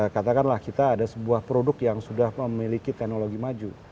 katakanlah kita ada sebuah produk yang sudah memiliki teknologi maju